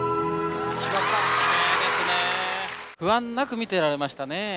不安なく見てられましたね。